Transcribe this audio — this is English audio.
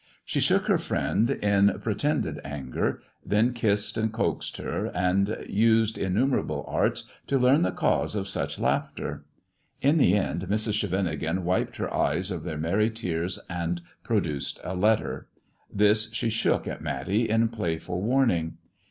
She shook her friend in pretended anger, then kissed and coaxed her, and used innumerable arts to learn the cause of such laughter. In the end Mrs. Scheveningen wiped her eyes of their merry tears, and produced a letter. This she shook at Matty in playful warning.